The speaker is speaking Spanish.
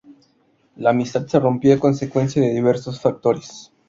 La amistad se rompió a consecuencia de diversos factores.